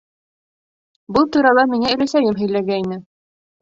Был турала миңә өләсәйем һөйләгәйне.